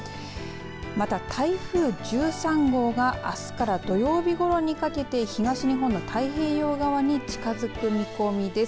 また、台風１３号があすから土曜日ごろにかけて東日本の太平洋側に近づく見込みです。